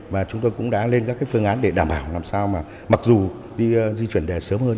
và chúng tôi cũng đã lên các phương án để đảm bảo làm sao mà mặc dù đi di chuyển sớm hơn